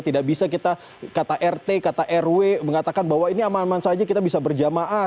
tidak bisa kita kata rt kata rw mengatakan bahwa ini aman aman saja kita bisa berjamaah